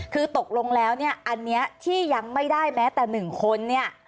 คือตกลงแล้วอันนี้ที่ยังไม่ได้แม้แต่๑คน